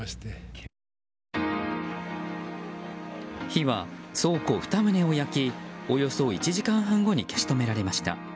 火は倉庫２棟を焼きおよそ１時間半後に消し止められました。